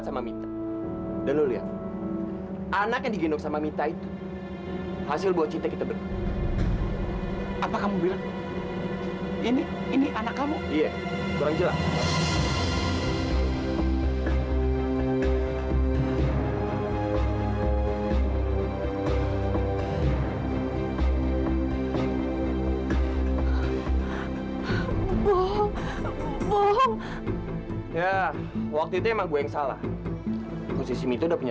sampai jumpa di video selanjutnya